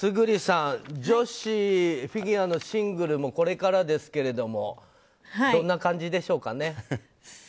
村主さん、女子フィギュアのシングルも、これからですけどどんな感じでしょうかね？